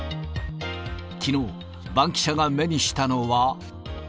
きのう、バンキシャが目にしたのは。